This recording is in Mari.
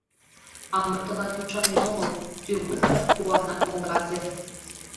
А мый тылат ӱшанен омыл, — тӱргочак куана коҥгазе.